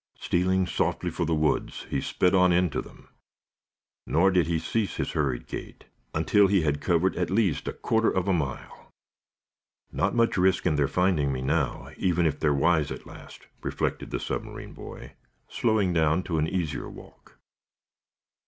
Stealing softly for the woods, he sped on into them. Nor did he cease his hurried gait until he had covered at least a quarter of a mile. "Not much risk of their finding me, now, even if they're wise at last," reflected the submarine boy, slowing down to an easier walk.